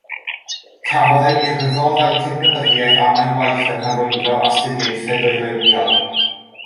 Cafodd ei urddo fel cydnabyddiaeth am ei waith yn hyrwyddo astudiaethau dwyreiniol.